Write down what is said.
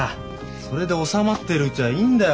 それで収まってるうちはいいんだよ。